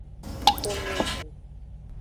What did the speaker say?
Xomevu.